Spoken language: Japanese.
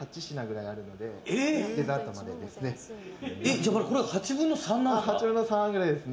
じゃあこれは８分の３なんですか？